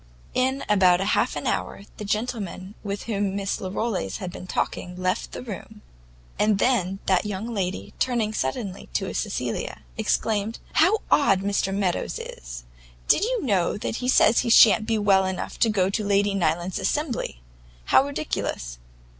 In about half an hour the gentleman with whom Miss Larolles had been talking, left the room, and then that young lady, turning suddenly to Cecilia, exclaimed, "How odd Mr Meadows is! Do you know, he says he shan't be well enough to go to Lady Nyland's assembly! How ridiculous!